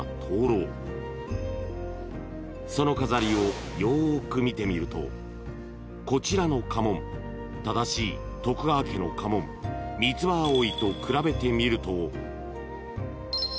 ［その飾りをよーく見てみるとこちらの家紋正しい徳川家の家紋三つ葉葵と比べてみると］